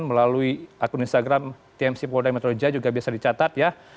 melalui akun instagram tmc poldai metroja juga biasa dicatat ya